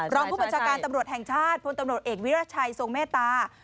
รองผู้บัญชาการตำรวจแห่งชาติพลตำรวจเอกวิรัชัยทรงเมตตา